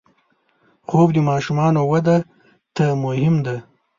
خوب د ماشومانو وده ته مهم دی